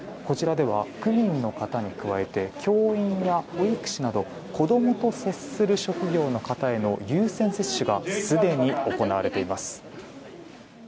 こちらでは区民の方に加えて教員や保育士など子供と接する職業の方への優先接種がすでに行われています。